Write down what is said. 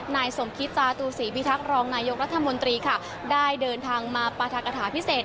นายสมคิตจาตุศรีพิทักษ์รองนายกรัฐมนตรีค่ะได้เดินทางมาปรัฐกฐาพิเศษ